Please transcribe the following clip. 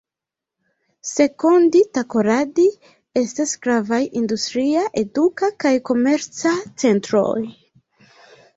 Sekondi-Takoradi estas gravaj industria, eduka kaj komerca centroj.